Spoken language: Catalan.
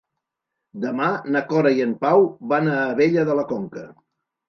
Demà na Cora i en Pau van a Abella de la Conca.